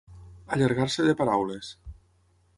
Allargar-se de paraules.